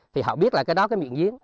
thì họ biết là cái đó là cái miệng giếng